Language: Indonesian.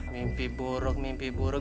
mimpi buruk mimpi buruk